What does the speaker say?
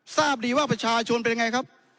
ทราบดีว่าประชาชนเป็นยังไงครับ